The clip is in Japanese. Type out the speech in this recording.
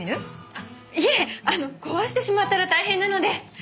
あの壊してしまったら大変なので。